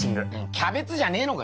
キャベツじゃねえのかよ！